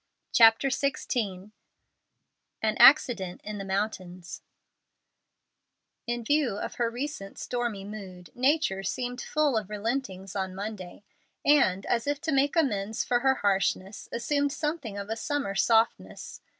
CHAPTER XVI AN ACCIDENT IN THE MOUNTAINS In view of her recent stormy mood, Nature seemed full of regretful relentings on Monday, and, as if to make amends for her harshness, assumed something of a summer softness.